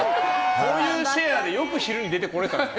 こういうシェアでよく昼に出てこれたね。